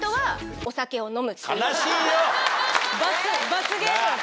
罰ゲーム。